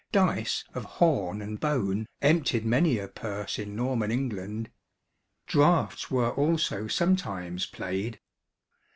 Dice of horn and bone emptied many a purse in Norman England. Draughts were also sometimes played.